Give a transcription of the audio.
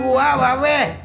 gue lelaki bismillah